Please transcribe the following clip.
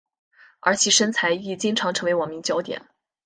而其身材亦经常成为网民焦点。